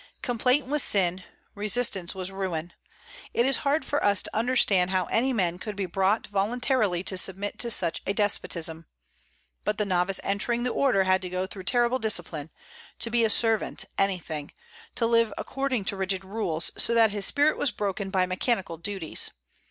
Complaint was sin; resistance was ruin. It is hard for us to understand how any man could be brought voluntarily to submit to such a despotism. But the novice entering the order had to go through terrible discipline, to be a servant, anything; to live according to rigid rules, so that his spirit was broken by mechanical duties.